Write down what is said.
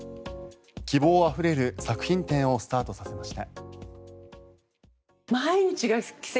希望あふれる作品展をスタートさせました。